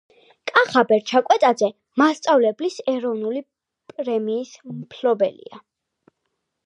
კახაბერ ჩაკვეტაძე მასწავლებლის ეროვნული პრემიის მფლობელია